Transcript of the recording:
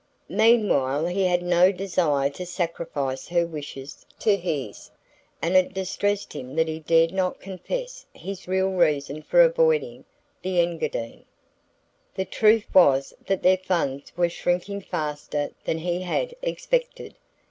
Meanwhile he had no desire to sacrifice her wishes to his, and it distressed him that he dared not confess his real reason for avoiding the Engadine. The truth was that their funds were shrinking faster than he had expected.